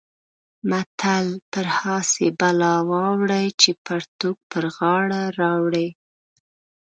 متل: پر هسې بلا واوړې چې پرتوګ پر غاړه راوړې.